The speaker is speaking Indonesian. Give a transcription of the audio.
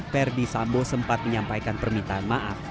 ferdi sambo sempat menyampaikan permintaan maaf